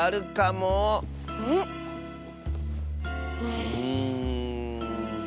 うん。